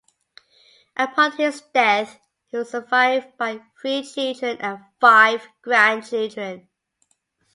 Upon his death he was survived by three children and five grandchildren.